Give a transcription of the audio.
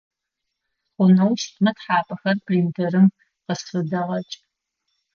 Хъунэу щытмэ тхьапэхэр принтерым къысфыдэгъэкӏ.